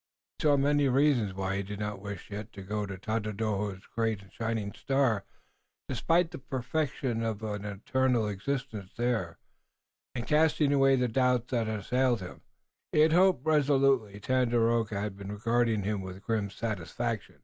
He saw many reasons why he did not wish yet to go to Tododaho's great and shining star, despite the perfection of an eternal existence there, and, casting away the doubts that had assailed him, he hoped resolutely. Tandakora had been regarding him with grim satisfaction.